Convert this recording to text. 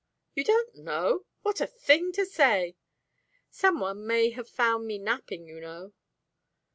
"You don't know? What a thing to say!" "Some one may have found me napping, you know."